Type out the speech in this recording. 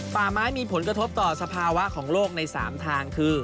ป่าไม้มีผลกระทบต่อสภาวะของโลกใน๓ทางคือ